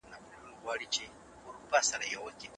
مورخین د نېټو په سر لا هم په بحثونو بوخت دي.